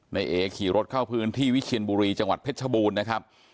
ในเอขี่รถเข้าพื้นที่วิเชียนบุรีจังหวัดเพชรชบูรณ์นะครับ